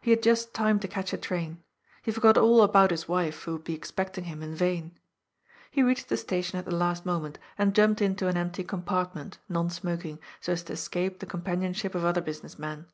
He had just time to catch a train. He forgot all about his wife, who would be expecting him in vain. He reached the station at the last moment and jumped THE CATASTROPHE. 401 into an empty compartment, non smoking, so as to escape the companionship of other business men.